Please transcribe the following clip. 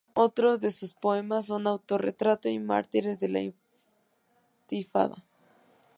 Otros de sus poemas son ""Autorretrato"" y ""Mártires de la Intifada"".